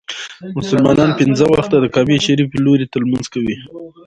مسلمانان پنځه وخته د کعبې شريفي لوري ته لمونځ کوي.